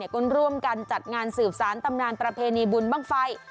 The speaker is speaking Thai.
ก็ร่วมกันจัดงานสืบสารตำนานประเพณีบุญบ้างไฟ